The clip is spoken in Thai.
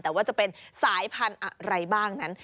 แต่ว่าจะเป็นสายพันธุ์อะไรบ้างนั้น